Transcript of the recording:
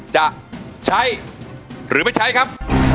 จะใช้หรือไม่ใช้ครับ